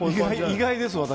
意外です、私。